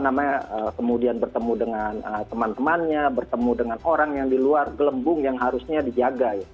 namanya kemudian bertemu dengan teman temannya bertemu dengan orang yang di luar gelembung yang harusnya dijaga